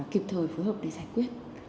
kịp thời phù hợp để giải quyết